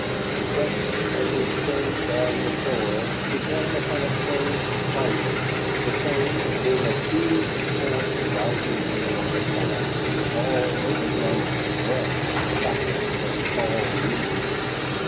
And presently, as we strayed down the shore we came upon a strange sight, the same being a huge fort rising from the waterside, all overgrown with brush and saplings and tall weeds.